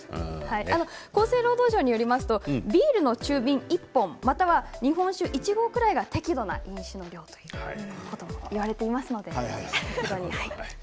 厚生労働省によりますとビールの中瓶１本、または日本酒１合ぐらいが適度な量だということです。